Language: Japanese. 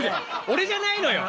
俺じゃないのよ。